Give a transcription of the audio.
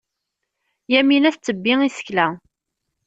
Yamina tettebbi isekla.